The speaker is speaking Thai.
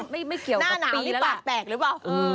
หน้าหนาวที่ปากแตกหรือเปล่า